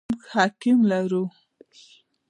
موږ حکیم لرو ؟